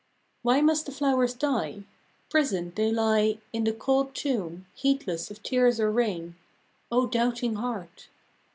11. Why must the flowers die ? Prisoned they lie In the cold tomb, heedless of tears or rain. 0 doubting heart!